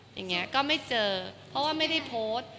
อย่างนี้ก็ไม่เจอเพราะว่าไม่ได้โพสต์